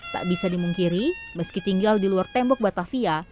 tak bisa dimungkiri meski tinggal di luar tembok batavia